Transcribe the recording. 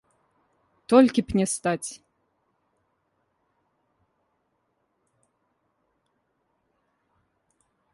Толькі б не стаць!